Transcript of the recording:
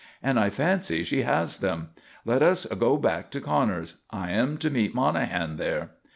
And I fancy she has them. Let us go back to Connors'. I am to meet Monahan there."